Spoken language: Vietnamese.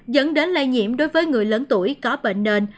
dẫn đến lây nhiễm đối với người lớn tuổi có bệnh nền